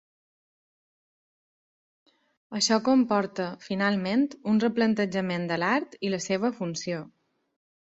Això comporta, finalment, un replantejament de l'art i la seva funció.